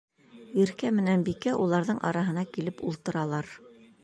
Иркә менән Бикә уларҙың араһына килеп ултыралар.